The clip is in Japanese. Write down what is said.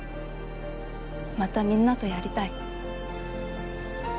またみんなとやりたい。